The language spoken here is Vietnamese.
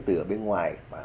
từ ở bên ngoài